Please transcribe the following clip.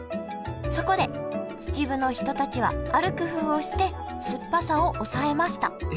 そこで秩父の人たちはある工夫をして酸っぱさをおさえました。